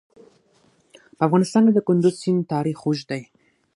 په افغانستان کې د کندز سیند تاریخ اوږد دی.